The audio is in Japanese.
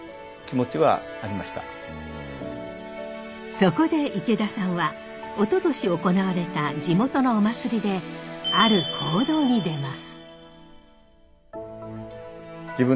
そこで池田さんはおととし行われた地元のお祭りである行動に出ます。